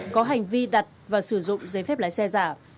có hành vi đặt và sử dụng giấy phép lái xe giả